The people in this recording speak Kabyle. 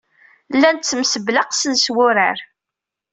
Llan ttmesbelqasen s wurar.